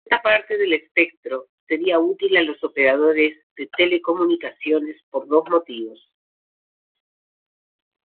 Esta parte del espectro sería útil a los operadores de telecomunicaciones por dos motivos.